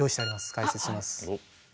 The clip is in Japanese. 解説します。